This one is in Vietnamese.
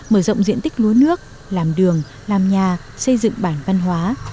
mở rộng diện tích lúa nước làm đường làm nhà xây dựng bản văn hóa